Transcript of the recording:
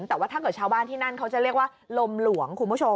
แต่ว่าถ้าเกิดชาวบ้านที่นั่นเขาจะเรียกว่าลมหลวงคุณผู้ชม